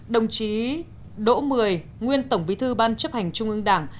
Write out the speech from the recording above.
đồng chí đỗ mười nguyên tổng bí thư ban chấp hành trung ương đảng